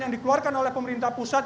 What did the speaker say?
yang dikeluarkan oleh pemerintah pusat